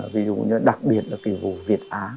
ví dụ như đặc biệt là cái vụ việt á